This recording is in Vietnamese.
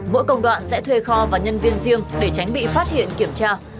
mỗi công đoạn sẽ thuê kho và nhân viên riêng để tránh bị phát hiện kiểm tra